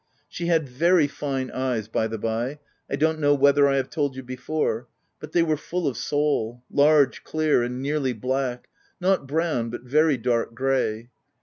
She had very fine eyes by the bye — I don't know whether I've told you before, but they were full of soul, large, clear, and nearly black — not brown, but very dark grey.